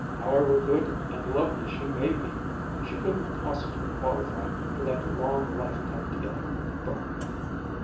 However good and lovely she may be, she couldn't possibly qualify for that long lifetime together, Burke.